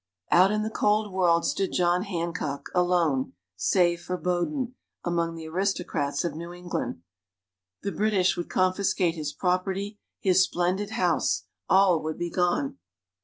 Out in the cold world stood John Hancock, alone, save for Bowdoin, among the aristocrats of New England. The British would confiscate his property, his splendid house all would be gone!